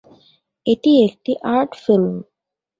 এটি একটি 'art film'.